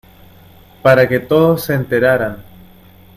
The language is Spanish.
para que todos se enteraran